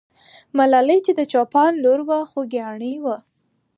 ملالۍ چې د چوپان لور وه، خوګیاڼۍ وه.